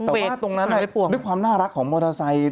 แต่ว่าตรงนั้นด้วยความน่ารักของมอเตอร์ไซค์